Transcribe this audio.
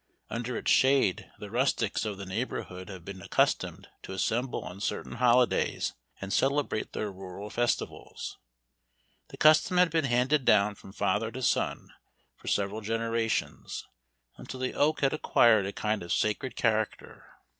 Under its shade the rustics of the neighborhood have been accustomed to assemble on certain holidays, and celebrate their rural festivals. This custom had been handed down from father to son for several generations, until the oak had acquired a kind of sacred character.